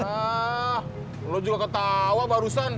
wah lo juga ketawa barusan